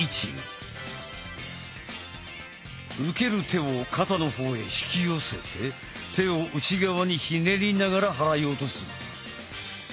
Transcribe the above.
受ける手を肩の方へ引き寄せて手を内側にひねりながら払い落とす。